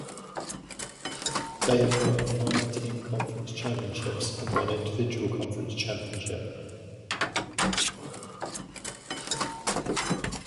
They have won five team conference championships and one individual conference championship.